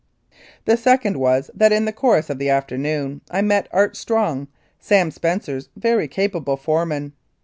The second was that in the course of the afternoon I met Art Strong, Sam Spencer's very capable foreman.